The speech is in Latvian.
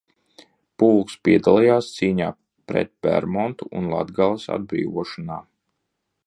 Pulks piedalījās cīņās pret Bermontu un Latgales atbrīvošanā.